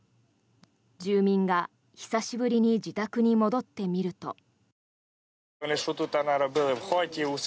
住民が久しぶりに自宅に戻ってみると。